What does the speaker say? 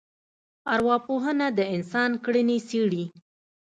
ارواپوهنه د انسانانو کړنې څېړي